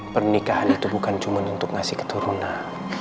pernikahan itu bukan cuma untuk ngasih keturunan